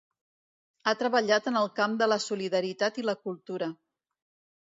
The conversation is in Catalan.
Ha treballat en el camp de la solidaritat i la cultura.